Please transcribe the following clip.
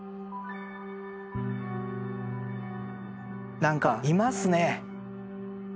何かいますね！